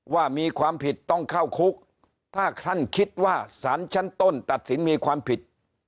ว่ามีความผิดต้องเข้าคุกถ้าท่านคิดว่าสารชั้นต้นตัดสินมีความผิด